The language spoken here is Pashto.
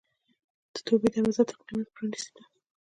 د توبې دروازه تر قیامته پرانستې ده.